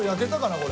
これ。